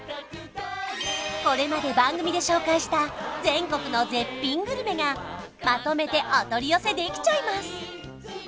これまで番組で紹介した全国の絶品グルメがまとめてお取り寄せできちゃいます